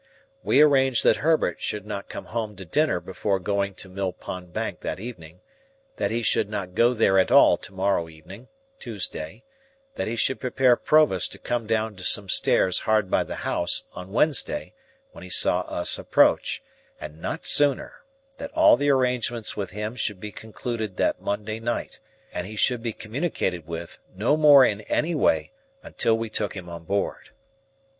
We arranged that Herbert should not come home to dinner before going to Mill Pond Bank that evening; that he should not go there at all to morrow evening, Tuesday; that he should prepare Provis to come down to some stairs hard by the house, on Wednesday, when he saw us approach, and not sooner; that all the arrangements with him should be concluded that Monday night; and that he should be communicated with no more in any way, until we took him on board.